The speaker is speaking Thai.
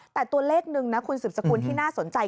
แต่ตัวเลขหนึ่งนะคุณสืบสกุลที่น่าสนใจ